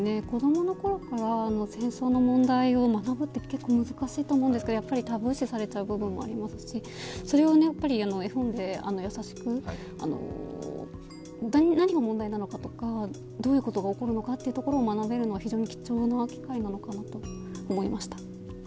子供のころから、戦争の問題を学ぶのは結構難しいと思うんですけどやっぱりタブー視されちゃう部分もあると思いますしそれを絵本で易しく何が問題なのかとかどういうことが起こるのかというところを学べるのは非常に貴重な機会なのかなと思いました。